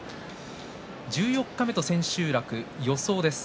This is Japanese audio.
十四日目と千秋楽は予想です。